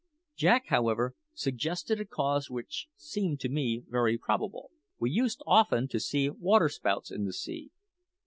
Jack, however, suggested a cause which seemed to me very probable. We used often to see waterspouts in the sea.